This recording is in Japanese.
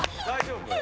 大丈夫？